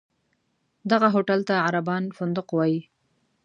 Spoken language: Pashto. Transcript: دغه هوټل ته عربان فندق وایي.